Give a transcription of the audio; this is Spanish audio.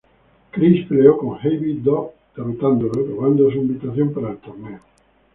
Chris peleó contra Heavy D!, derrotándolo, y robando su invitación para el torneo.